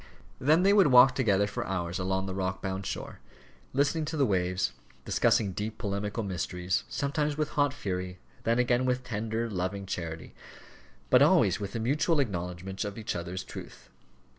Then they would walk together for hours along the rock bound shore, listening to the waves, discussing deep polemical mysteries, sometimes with hot fury, then again with tender, loving charity, but always with a mutual acknowledgment of each other's truth.